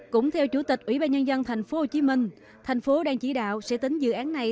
cũng theo chủ tịch ủy ban nhân dân thành phố hồ chí minh thành phố đang chỉ đạo sẽ tính dự án này